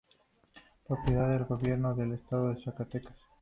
Propiedad del Gobierno del Estado de Zacatecas.